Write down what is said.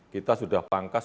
kita sudah pangkas